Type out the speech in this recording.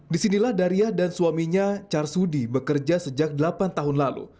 disinilah daria dan suaminya char sudi bekerja sejak delapan tahun lalu